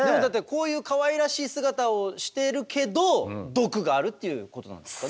こういうかわいらしい姿をしてるけど毒があるっていうことなんですかね。